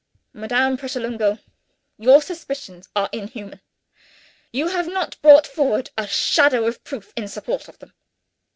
Madame Pratolungo, your suspicions are inhuman! You have not brought forward a shadow of proof in support of them.